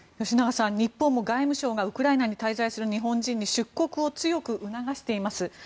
吉永さん日本も外務省がウクライナに滞在する日本人に出国を強く促しています。